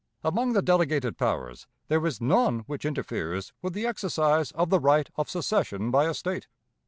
Among the delegated powers there is none which interferes with the exercise of the right of secession by a State.